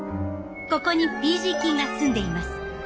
ここにＰ．ｇ菌が住んでいます。